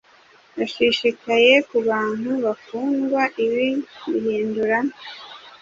ashishikaye kubantu bakundwa Ibi bihindura